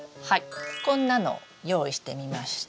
こんなのを用意してみました！